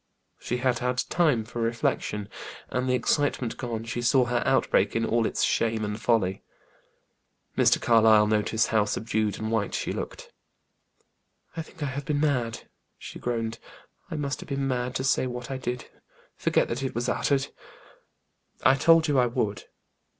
She had had time for reflection, and the excitement gone, she saw her outbreak in all its shame and folly. Mr. Carlyle noticed how subdued and white she looked. "I think I have been mad," she groaned. "I must have been mad to say what I did. Forget that it was uttered." "I told you I would."